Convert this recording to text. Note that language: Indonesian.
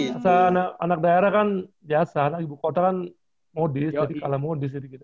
biasa anak daerah kan biasa anak ibu kota kan modis jadi kalah modis jadi gitu